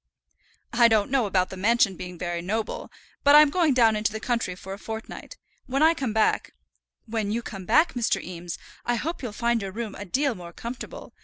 "I don't know about the mansion being very noble, but I'm going down into the country for a fortnight. When I come back " "When you come back, Mr. Eames, I hope you'll find your room a deal more comfortable.